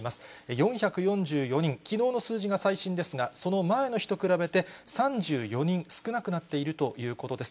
４４４人、きのうの数字が最新ですが、その前の日と比べて３４人少なくなっているということです。